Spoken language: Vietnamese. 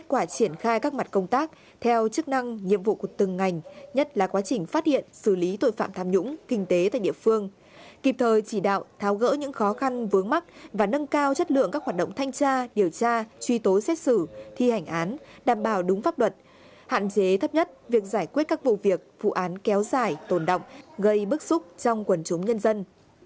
và khai các mặt công tác theo chức năng nhiệm vụ của từng ngành nhất là quá trình phát hiện xử lý tội phạm tham nhũng kinh tế tại địa phương kịp thời chỉ đạo tháo gỡ những khó khăn vướng mắt và nâng cao chất lượng các hoạt động thanh tra điều tra truy tố xét xử thi hành án đảm bảo đúng pháp luật hạn chế thấp nhất việc giải quyết các vụ việc vụ án kéo dài tồn động gây bức xúc trong quần chúng nhân dân